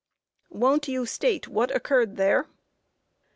Q. Won't you state what occurred there?